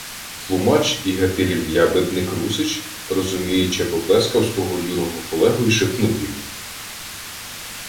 Тлумач і Гатилів ябедник Русич розуміюче поплескав свого юного колегу й шепнув йому: